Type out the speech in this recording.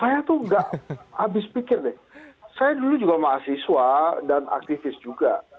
saya tuh gak habis pikir deh saya dulu juga mahasiswa dan aktivis juga